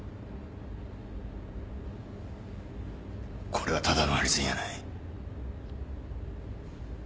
これはただのハリセンやない。